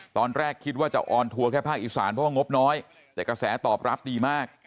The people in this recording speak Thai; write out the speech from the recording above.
ตอนแรกคิดว่าจะออนทัวร์แค่ภาคอีสานเพราะว่างบน้อยแต่กระแสตอบรับดีมาก